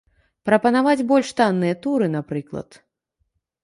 Прапанаваць больш танныя туры, напрыклад.